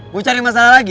mau cari masalah lagi